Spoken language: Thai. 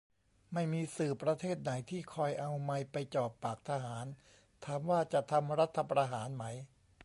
ไม่มีสื่อประเทศไหนที่คอยเอาไมค์ไปจ่อปากทหาร ถามว่าจะทำรัฐประหารไหม